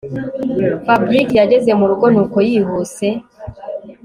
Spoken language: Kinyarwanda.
Fabric yageze murugo nuko yihuse